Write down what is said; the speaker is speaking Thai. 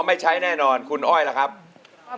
อาจารย์แป๊ก